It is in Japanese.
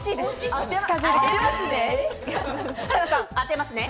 当てますね。